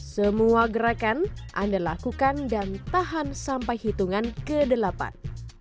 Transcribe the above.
semua gerakan anda lakukan dan tahan sampai hitungan ke delapan